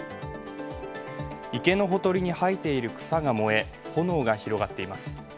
池のほとりに生えている草が燃え炎が広がっています。